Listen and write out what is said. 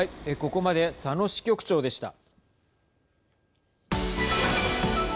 ここまで佐野支局長でした。